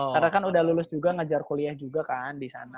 karena kan udah lulus juga ngajar kuliah juga kan di sana